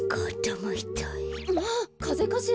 まあかぜかしら。